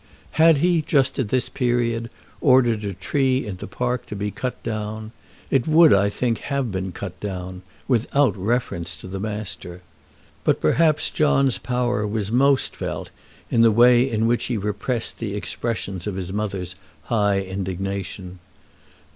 Had he, just at this period, ordered a tree in the park to be cut down, it would, I think, have been cut down, without reference to the master! But, perhaps, John's power was most felt in the way in which he repressed the expressions of his mother's high indignation.